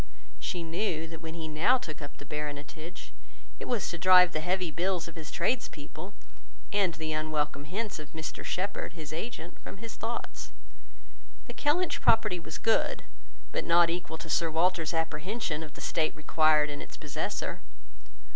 She knew, that when he now took up the Baronetage, it was to drive the heavy bills of his tradespeople, and the unwelcome hints of Mr Shepherd, his agent, from his thoughts. The Kellynch property was good, but not equal to Sir Walter's apprehension of the state required in its possessor.